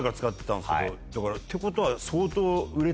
だからってことは。